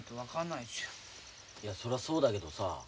いやそりゃそうだけどさ